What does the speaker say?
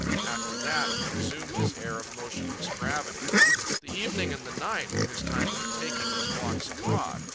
After that, he resumed his air of motionless gravity. The evening and the night were his time for taking his walks abroad.